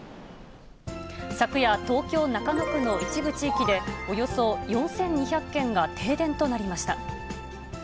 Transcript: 昨夜、東京・中野区の一部地域で、およそ４２００軒が停電となりました。